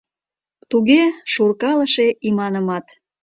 — Туге, шуркалыше иманымат.